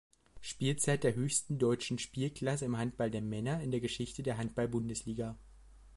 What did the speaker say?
Spielzeit der höchsten deutschen Spielklasse im Handball der Männer in der Geschichte der Handball-Bundesliga.